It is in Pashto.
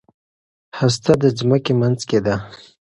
هسته د ځمکې منځ کې ده.